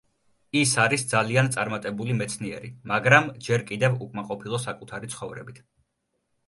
ის არის ძალიან წარმატებული მეცნიერი, მაგრამ ჯერ კიდევ უკმაყოფილო საკუთარი ცხოვრებით.